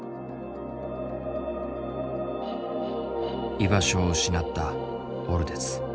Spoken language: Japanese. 居場所を失ったオルデツ。